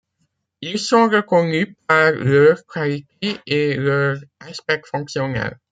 Ils sont reconnus par leur qualité et leur aspect fonctionnel.